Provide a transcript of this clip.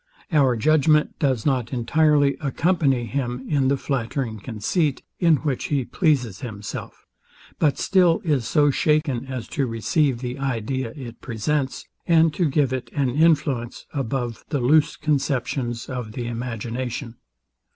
Our judgment does not entirely accompany him in the flattering conceit, in which he pleases himself; but still is so shaken as to receive the idea it presents, and to give it an influence above the loose conceptions of the imagination.